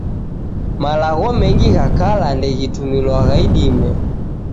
Malagho mengi gha kala ndeghitumilwagha idime